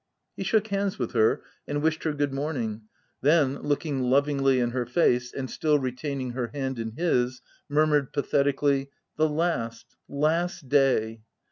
He shook hands with her and wished her good morning : then, looking lovingly in her face, and still retaining her hand in his, mur mured pathetically, —" The last— last day